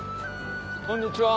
こんにちは